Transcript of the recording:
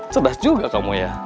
sedas juga kamu ya